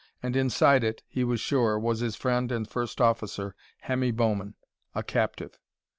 And inside it, he was sure, was his friend and first officer, Hemmy Bowman a captive.